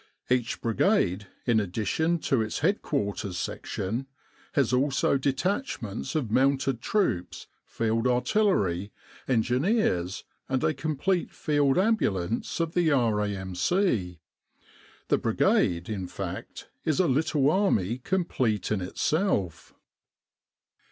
Each Brigade, in addition to its head quarters section, has also detachments of mounted troops, Field Artillery, Engineers, and a complete Field Ambulance of the R.A.M.C. The Brigade, in fact, is a little Army complete in itself.